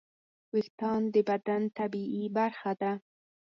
وېښتيان د بدن طبیعي برخه ده.